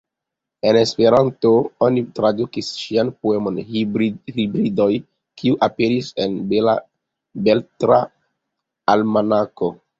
En Esperanto oni tradukis ŝian poemon "Hibridoj", kiu aperis en Beletra Almanako.